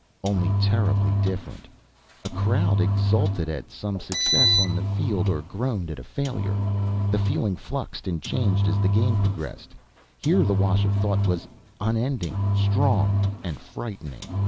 Only terribly different. A crowd exulted at some success on the field, or groaned at a failure. The feeling fluxed and changed as the game progressed. Here the wash of thought was unending, strong and frightening.